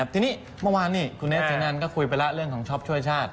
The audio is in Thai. ทีนี้เมื่อวานนี้คุณเนสเจอนันก็คุยไปแล้วเรื่องของช็อปช่วยชาติ